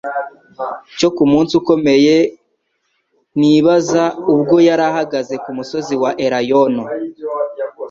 cyo ku munsi ukomeye w'unibauza ubwo yari ahagaze ku musozi wa Elayono.